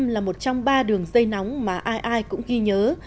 một trăm một mươi năm là một trong ba đường dây nóng mà ai ai cũng ghi nhớ